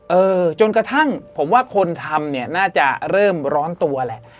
เออจนกระทั่งผมว่าคนทำเนี่ยน่าจะเริ่มร้อนตัวแหละ